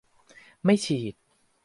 ไม่ฉีด